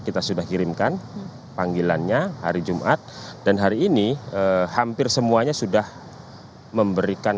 kita sudah kirimkan panggilannya hari jumat dan hari ini hampir semuanya sudah memberikan